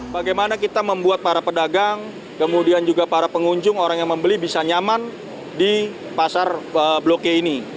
bagaimana kita membuat para pedagang kemudian juga para pengunjung orang yang membeli bisa nyaman di pasar blok g ini